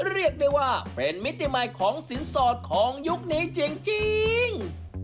เรียกได้ว่าเป็นมิติใหม่ของสินสอดของยุคนี้จริง